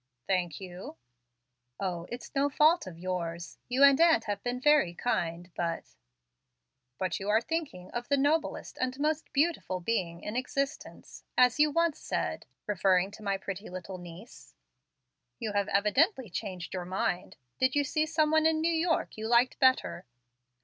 "Thank you." "O, it's no fault of yours. You and aunt have been very kind, but " "But you are thinking of the 'noblest and most beautiful being in existence,' as you once said, referring to my pretty little niece. You have evidently changed your mind. Did you see some one in New York you liked better?"